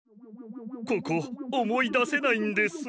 ここおもいだせないんです。